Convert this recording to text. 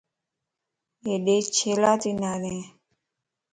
ھيڏي ڇيلاتي نارين؟